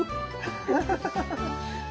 アハハハハハ。